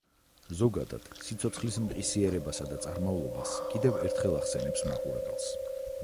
ზოგადად, სიცოცხლის მყისიერებასა და წარმავლობას კიდევ ერთხელ ახსენებს მაყურებელს.